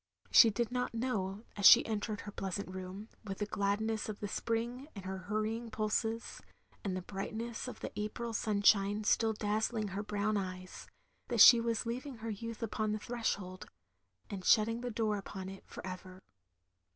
She did not know, as she entered her pleasant room, with the gladness of the spring in her hur rying ptdses, and the brightness of the April sun shine still dazzling her brown eyes, that she was leaving her youth upon the threshold — ^and shut ting the door upon it, for ever.